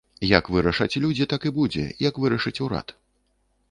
Як вырашаць людзі, так і будзе, як вырашыць урад.